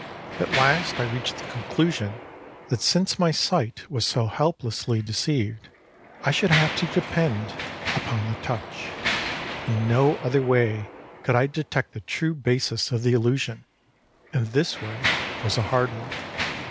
At last I reached the conclusion that since my sight was so helplessly deceived, I should have to depend upon the touch. In no other way could I detect the true basis of the illusion; and this way was a hard one.